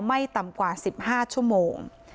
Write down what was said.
ไม่ต่ำกว่า๑๕ชั่วโมง